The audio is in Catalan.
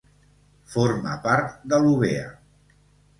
Forma part de l'úvea.